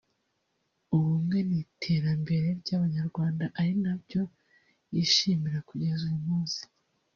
ubumwe n’iterambere ry’abanyarwanda ari nabyo yishimira kugeza uyu munsi